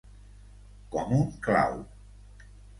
Com un clau.